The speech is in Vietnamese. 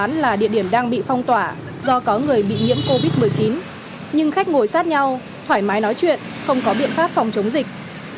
vẫn là địa điểm đang bị phong tỏa do có người bị nhiễm covid một mươi chín nhưng khách ngồi sát nhau thoải mái nói chuyện không có biện pháp phòng chống dịch